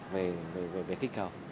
về khích cầu